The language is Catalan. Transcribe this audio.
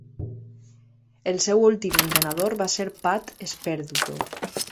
El seu últim entrenador va ser Pat Sperduto.